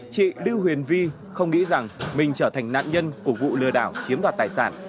chị lưu huyền vi không nghĩ rằng mình trở thành nạn nhân của vụ lừa đảo chiếm đoạt tài sản